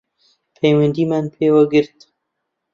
پەیوەندیمان پێوە گرت